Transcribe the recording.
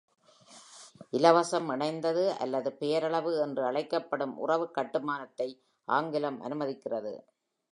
"இலவசம்", "இணைந்தது" அல்லது "பெயரளவு" என்று அழைக்கப்படும் உறவுக்கட்டுமானத்தை ஆங்கிலம் அனுமதிக்கிறது.